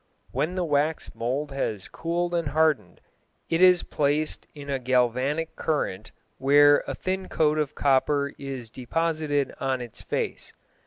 When the wax mould has cooled and hardened it is placed in a galvanic current, where a thin coat of copper is deposited on its face.